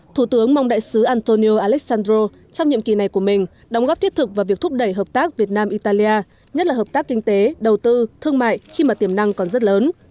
thủ tướng mong đại sứ antonio alessandro trong nhiệm kỳ này của mình đóng góp thiết thực vào việc thúc đẩy hợp tác việt nam italia nhất là hợp tác kinh tế đầu tư thương mại khi mà tiềm năng còn rất lớn